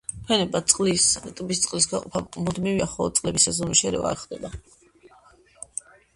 ფენებად ტბის წყლის გაყოფა მუდმივია, ხოლო წყლების სეზონური შერევა არ ხდება.